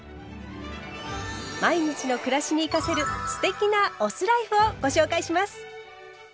毎日の暮らしに生かせる“酢テキ”なお酢ライフをご紹介します。